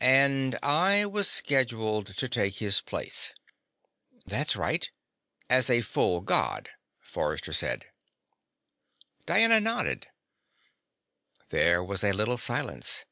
"And I was scheduled to take his place." "That's right." "As a full God," Forrester said. Diana nodded. There was a little silence.